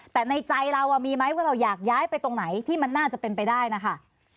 แต่ในใจเรามีไหมว่าเราอยากย้ายไปตรงไหนที่มันน่าจะเป็นไปได้นะคะ